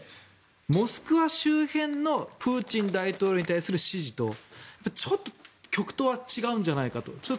モスクワ周辺のプーチン大統領に対する支持とちょっと極東は違うんじゃないかと。